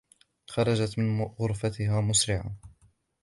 خرجت من غرفتها مسرعة.